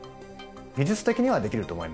技術的にはできると思います。